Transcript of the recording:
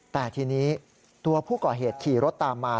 แต่ทีนี้ตัวผู้ก่อเหตุขี่รถตามมา